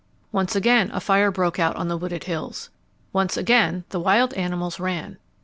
Once again a fire broke out on the wooded hills. Once again the wild animals ran.